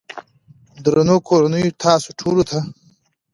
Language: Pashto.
درنو کورنيو تاسو ټولو ته